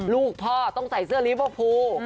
ลูกพ่อต้องใส่เสื้อรีโว้คภู